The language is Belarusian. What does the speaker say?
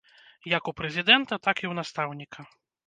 Як у прэзідэнта, так і ў настаўніка.